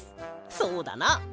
そうだな！